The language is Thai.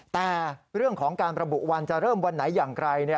แต่เรื่องของการระบุวันจะเริ่มวันไหนอย่างไร